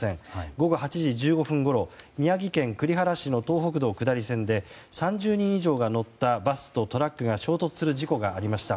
午後８時１５分ごろ宮城県栗原市の東北道下り線で３０人以上が乗ったバスとトラックが衝突する事故がありました。